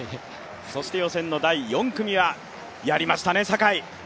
そして予選の第４組はやりましたね、坂井。